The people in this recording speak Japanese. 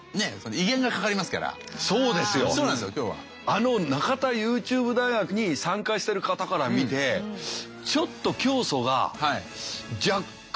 あの中田ＹｏｕＴｕｂｅ大学に参加してる方から見てあとごめんなさい。